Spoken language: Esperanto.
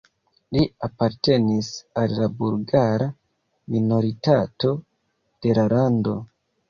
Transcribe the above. Li apartenis al la bulgara minoritato de la lando.